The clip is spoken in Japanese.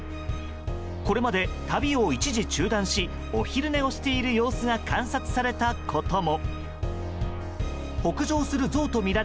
これまで旅を一時中断しお昼寝をしている様子を観察されたことも。